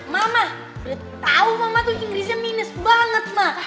mama dia tahu mama tuh inggrisnya minus banget ma